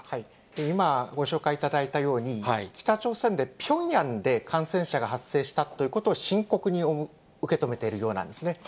今ご紹介いただいたように、北朝鮮でピョンヤンで感染者が発生したということを深刻に受け止めているようなんですね。